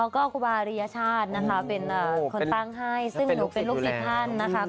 ก็ครูบาริยชาตินะคะเป็นคนตั้งให้ซึ่งหนูเป็นลูกศิษย์ท่านนะคะ